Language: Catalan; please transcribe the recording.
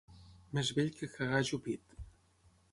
Més vell que cagar ajupit.